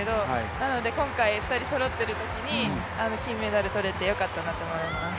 なので今回２人そろっているときに金メダル取れてよかったなと思います。